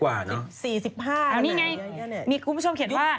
๑๐กว่าเนอะ๔๕นี่ไงมีกลุ่มผู้ชมเขียนว่า